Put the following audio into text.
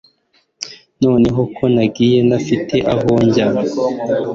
noneho ko wagiye ntafite aho njya